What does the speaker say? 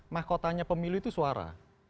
mahkotanya pemilu itu suara